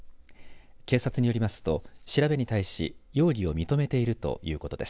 警察によりますと調べに対し容疑を認めているということです。